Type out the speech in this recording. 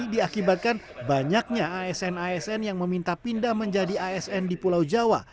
diakibatkan banyaknya asn asn yang meminta pindah menjadi asn di pulau jawa